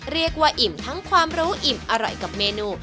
เรียกว่าอิ่มทั้งความรู้อิ่มอร่อยกับเมนู